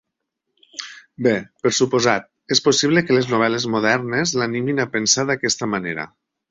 Bé, per suposat, és possible que les novel·les modernes l'animin a pensar d'aquesta manera.